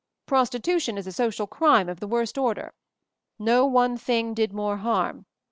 Prostitution is a social crime of the worst order. No one thing did more harm.